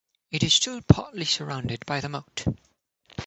It is still partly surrounded by the moat.